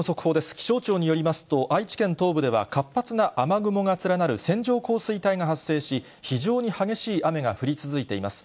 気象庁によりますと、愛知県東部では活発な雨雲が連なる線状降水帯が発生し、非常に激しい雨が降り続いています。